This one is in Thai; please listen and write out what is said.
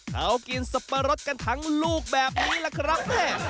เขากินสับปะรดกันทั้งลูกแบบนี้ล่ะครับแม่